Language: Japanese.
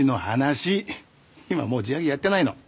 今もう地上げやってないの。